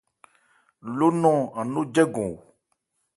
Ló nɔn an nó jɛ́gɔn o.